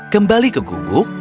kembali ke guguk